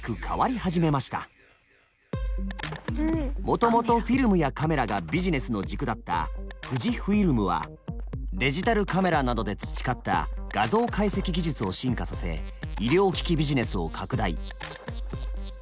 もともとフィルムやカメラがビジネスの軸だった富士フイルムはデジタルカメラなどで培った画像解析技術を進化させ医療機器ビジネスを拡大。